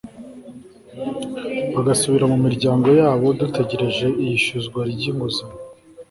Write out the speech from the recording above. bagasubira mu miryango yabo dutegereje iyishyuzwa ry inguzanyo